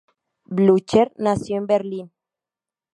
Blücher nació en Berlín.